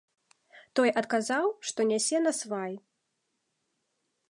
Той адказаў, што нясе насвай.